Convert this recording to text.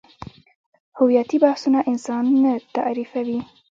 هویتي بحثونه انسان نه تعریفوي.